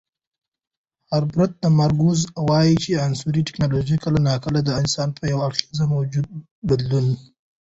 هربرت مارکوز وایي چې عصري ټیکنالوژي کله ناکله انسان په یو اړخیز موجود بدلوي.